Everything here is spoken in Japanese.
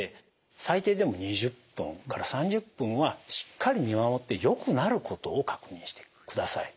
最低でも２０分から３０分はしっかり見守ってよくなることを確認してください。